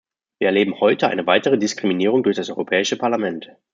Wir erleben heute eine weitere Diskriminierung durch das Europäische Parlament.